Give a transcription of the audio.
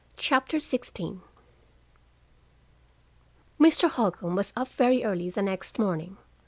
CHAPTER XVI Mr. Holcombe was up very early the next morning.